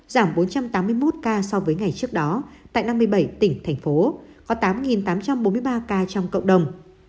giảm bốn trăm tám mươi một ca so với ngày trước đó tại năm mươi bảy tỉnh thành phố có tám tám trăm bốn mươi ba ca trong cộng đồng